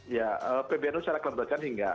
ya pbnu secara kelompokan tidak